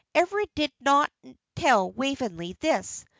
Everard did not tell Waveney this.